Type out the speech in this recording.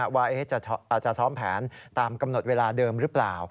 ว่าจะซ้อมแผนตามกำหนดเวลาเดิมหรือเปล่า